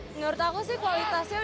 menurut aku sih kualitasnya